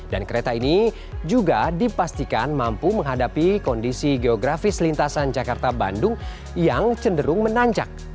dan kereta ini juga dipastikan mampu menghadapi kondisi geografis lintasan jakarta bandung yang cenderung menanjak